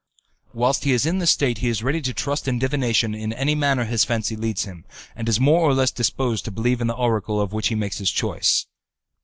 Whilst he is in this state he is ready to trust in divination in any manner his fancy leads him, and is more or less disposed to believe in the oracle of which he makes choice.